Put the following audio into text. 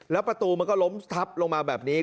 แล้วประตูมันก็ล้มทับลงมาแบบนี้